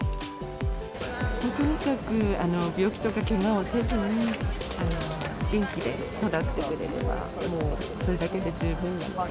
とにかく病気とかけがをせずに、元気で育ってくれれば、もうそれだけで十分なので。